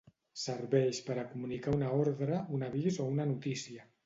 Serveix per a comunicar una ordre, un avís o una notícia.